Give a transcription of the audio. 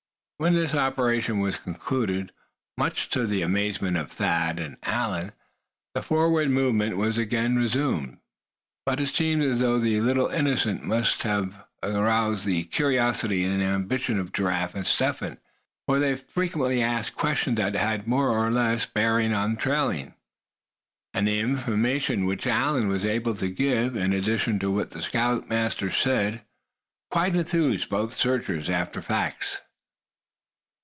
When this operation was concluded, much to the amusement of Thad and Allan, the forward movement was again resumed. But it seemed as though this little incident must have aroused the curiosity and ambition of Giraffe and Step Hen, for they frequently asked questions that had more or less bearing on trailing. And the information which Allan was able to give, in addition to what the scoutmaster said, quite enthused both searchers after facts.